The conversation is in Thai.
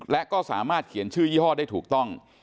และก็สามารถเขียนชื่อยี่ห้อได้ถูกต้อง